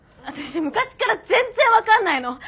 私昔から全然分かんないの！